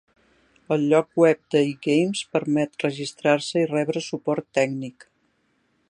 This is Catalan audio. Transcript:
El lloc web de eGames permet registrar-se i rebre suport tècnic.